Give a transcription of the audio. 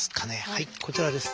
はいこちらです。